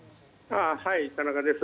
はい、田中です。